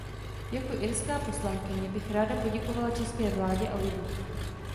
Jako irská poslankyně bych ráda poděkovala české vládě a lidu.